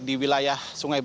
di wilayah sungai bangawan solo